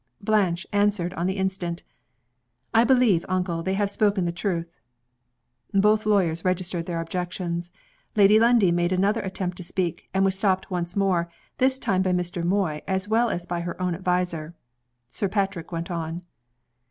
Blanche answered on the instant. "I believe, uncle, they have spoken the truth!" Both the lawyers registered their objections. Lady Lundie made another attempt to speak, and was stopped once more this time by Mr. Moy as well as by her own adviser. Sir Patrick went on.